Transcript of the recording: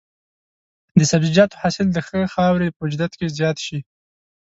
د سبزیجاتو حاصل د ښه خاورې په موجودیت کې زیات شي.